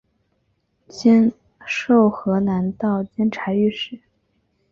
授河南道监察御史。